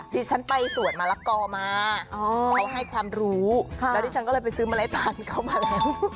ดิฉันไปสวนมะละกอมาเขาให้ความรู้แล้วดิฉันก็เลยไปซื้อเมล็ดตาลเข้ามาแล้ว